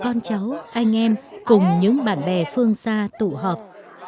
con cháu anh em cùng những bạn bè phương xa tụ họp